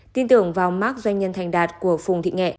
tin tưởng vào mác doanh nhân thành đạt của phùng thị nghệ